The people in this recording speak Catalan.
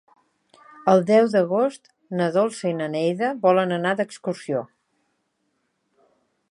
El deu d'agost na Dolça i na Neida volen anar d'excursió.